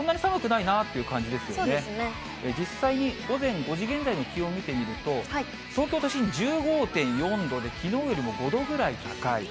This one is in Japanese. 実際に午前５時現在の気温見てみると、東京都心、１５．４度で、きのうより５度ぐらい高い。